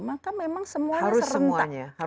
maka memang semuanya serentak